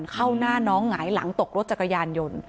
เข้าหน้าน้องหงายหลังตกรถจักรยานยนต์